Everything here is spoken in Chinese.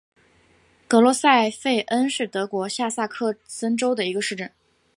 格罗塞费恩是德国下萨克森州的一个市镇。